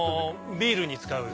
ビールに使う。